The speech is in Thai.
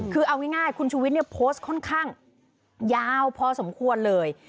คือเอาง่ายคุณชูวิทย์เนี่ยโพสต์ค่อนข้างยาวพอสมควรเลย